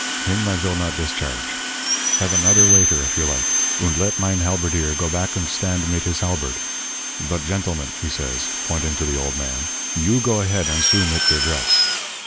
Him I vill not discharge. Have anoder waiter if you like, und let mein halberdier go back und stand mit his halberd. But, gentlemen,' he says, pointing to the old man, 'you go ahead and sue mit der dress.